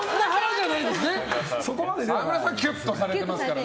沢村さんはキュッとされてますから。